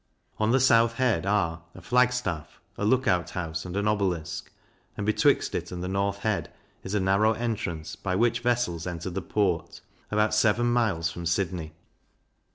On South Head are, a Flag staff, a Lookout house, and an Obelisk; and betwixt it and the North Head, is a narrow entrance, by which vessels enter the port, about seven miles from Sydney.